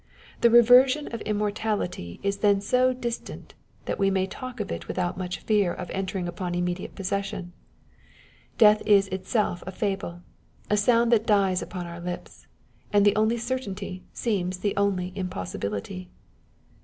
The reversion of immortality is then so distant, that we may talk of it without much fear of entering upon immediate possession : death is itself a fable â€" a sound that dies upon our lips ; and the only certainty seems the only impossibility.